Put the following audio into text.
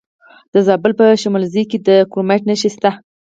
د زابل په شمولزای کې د کرومایټ نښې شته.